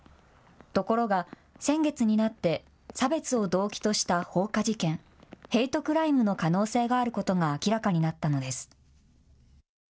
ところが先月になって差別を動機とした放火事件、ヘイトクライムの可能性があることが明らかになったのです。